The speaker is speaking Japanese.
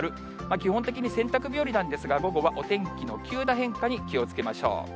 基本的に洗濯日和なんですが、午後はお天気の急な変化に気をつけましょう。